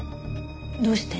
どうして？